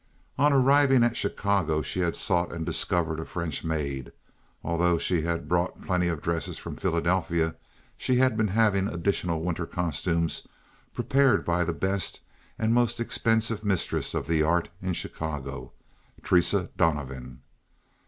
On arriving at Chicago she had sought and discovered a French maid. Although she had brought plenty of dresses from Philadelphia, she had been having additional winter costumes prepared by the best and most expensive mistress of the art in Chicago—Theresa Donovan.